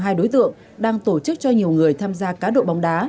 hai đối tượng đang tổ chức cho nhiều người tham gia cá độ bóng đá